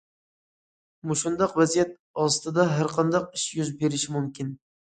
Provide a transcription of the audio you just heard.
مۇشۇنداق ۋەزىيەت ئاستىدا ھەرقانداق ئىش يۈز بېرىشى مۇمكىن.